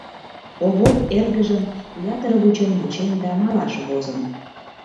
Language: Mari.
Овоп эргыжым ятыр вучен-вучен да малаш возын.